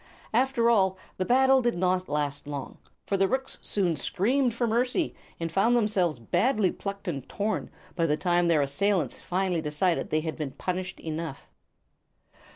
After all, the battle did not last long; for the rooks soon screamed for mercy, and found themselves badly plucked and torn by the time their assailants finally decided they had been punished enough.